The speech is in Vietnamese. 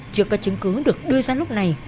trước các chứng cứ được đưa ra lúc này